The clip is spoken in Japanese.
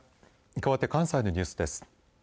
かわって関西のニュースです。